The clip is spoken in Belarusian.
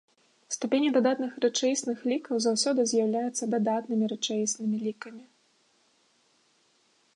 Ступені дадатных рэчаісных лікаў заўсёды з'яўляецца дадатнымі рэчаіснымі лікамі.